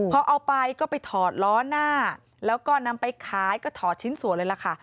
พอเอาไปก็ไปถอดล้อหน้าแล้วก็นำไปขายก็ถอดชิ้นส่วนเลยล่ะค่ะ